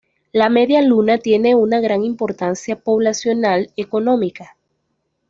La Media Luna tiene una gran importancia poblacional, económica.